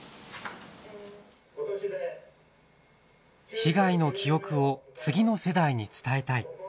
被害の記憶を次の世代に伝えたい。